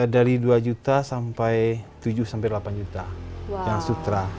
dari dua juta sampai tujuh delapan juta yang sutra